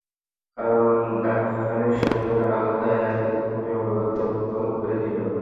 কারণ, গাতফানের সৈন্যরা আলাদা এক স্থানে অবরোধে অংশগ্রহণ করছিল।